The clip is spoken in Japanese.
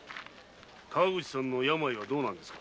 川口さんの病はどうなんですか？